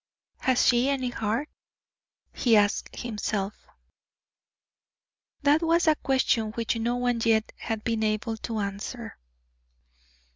"Has she any heart?" he asked himself. That was a question which no one yet had been able to answer.